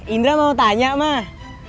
indra mau tanya mah